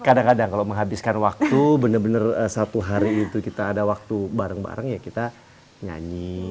kadang kadang kalau menghabiskan waktu benar benar satu hari itu kita ada waktu bareng bareng ya kita nyanyi